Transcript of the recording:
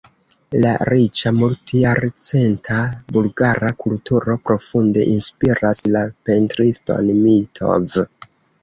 La riĉa multjarcenta bulgara kulturo profunde inspiras la pentriston Mitov.